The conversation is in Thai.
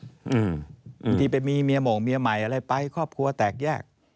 บางทีไปมีเมียหม่งเมียใหม่อะไรไปครอบครัวแตกแยก